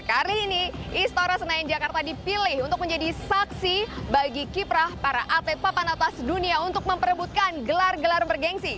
kali ini istora senayan jakarta dipilih untuk menjadi saksi bagi kiprah para atlet papan atas dunia untuk memperebutkan gelar gelar bergensi